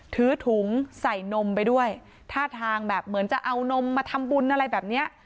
ถือถุงใส่นมไปด้วยท่าทางแบบเหมือนจะเอานมมาทำบุญอะไรแบบเนี้ย